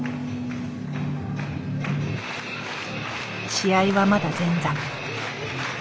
試合はまだ前座。